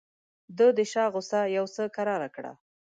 ده د شاه غوسه یو څه کراره کړه.